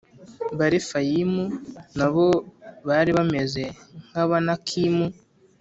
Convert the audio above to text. barefayimu na bo bari bameze nk’Abanakimu,